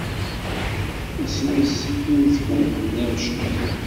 Isem-is mmi-tkent-nni amectuḥ?